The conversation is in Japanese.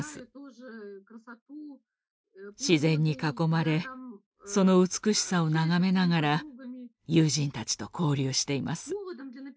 自然に囲まれその美しさを眺めながら友人たちと交流しています。